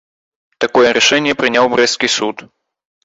Такое рашэнне прыняў брэсцкі суд.